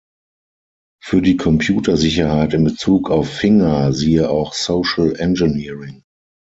Für die Computersicherheit in Bezug auf Finger siehe auch Social Engineering.